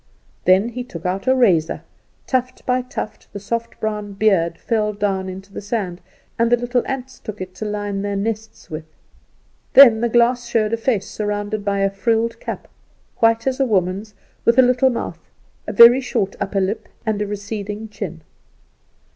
Then he took out a razor. Tuft by tuft the soft brown beard fell down into the sand, and the little ants took it to line their nests with. Then the glass showed a face surrounded by a frilled cap, white as a woman's, with a little mouth, a very short upper lip, and a receding chin.